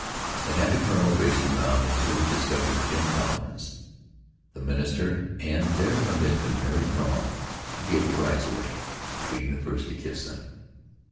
The happy colonel raced around until he discovered Jim Douns, the minister, and there amid the merry throng he gave the brides away, being the first to kiss them.